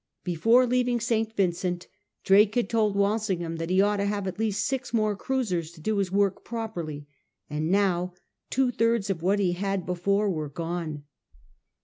Before leaving St. Vincent, Drake had told Walsingham that he ought to have at least six more cruisers to do his work properly, and now two thirds of what he had before were gone.